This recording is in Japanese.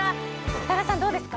設楽さん、どうですか？